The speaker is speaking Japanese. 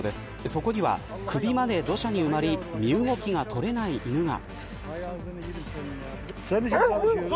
そこには、首まで土砂に埋まり身動きが取れない犬が。